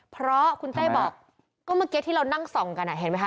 เพราะคุณเต้บอกก็เมื่อกี้ที่เรานั่งส่องกันเห็นไหมคะ